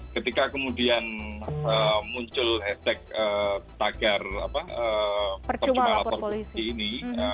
ketika kemudian muncul hashtag tagar percuma lapor polisi ini